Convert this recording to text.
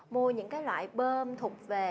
mua những cái loại bơm thụt về